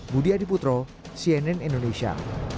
budi adiputro cnn indonesia